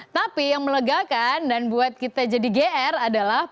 tapi yang melegakan dan buat kita jadi gr adalah